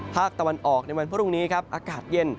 ภาคตะวันออกในวันพรุ่งนี้ครับอากาศเย็น